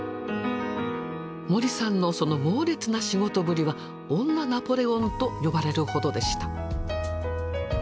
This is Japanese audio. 森さんのその猛烈な仕事ぶりは「女ナポレオン」と呼ばれるほどでした。